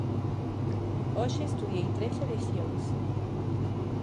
Hoxe estudei trece leccións.